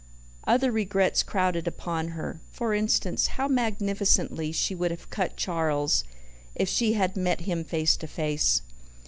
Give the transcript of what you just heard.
Other regrets crowded upon her: for instance, how magnificently she would have cut Charles if she had met him face to face.